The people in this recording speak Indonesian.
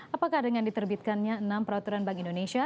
apakah dengan diterbitkannya enam peraturan bank indonesia